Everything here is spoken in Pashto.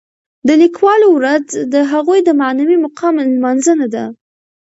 د لیکوالو ورځ د هغوی د معنوي مقام لمانځنه ده.